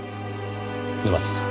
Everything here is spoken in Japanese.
沼田さん